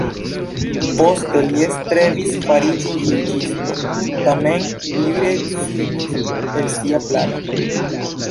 Poste li strebis fariĝi juĝisto tamen li rezignis el sia plano.